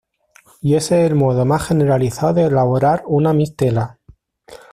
Y ese es el modo más generalizado de elaborar una mistela.